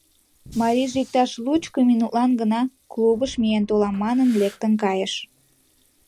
Марийже иктаж лучко минутлан гына клубыш миен толам манын лектын кайыш.